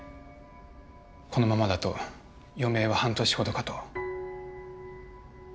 このままだと余命は半年ほどかと